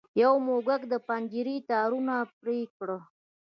یو موږک د پنجرې تارونه پرې کړل.